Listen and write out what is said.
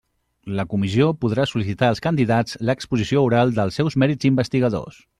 La Comissió podrà sol·licitar als candidats l'exposició oral dels seus mèrits investigadors.